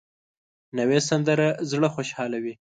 نوې سندره زړه خوشحالوي